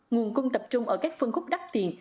nguồn cung tập trung ở các phân khúc đắt tiền